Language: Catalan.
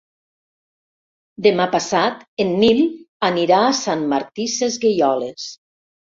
Demà passat en Nil anirà a Sant Martí Sesgueioles.